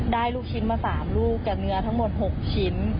ลูกชิ้นมา๓ลูกกับเนื้อทั้งหมด๖ชิ้น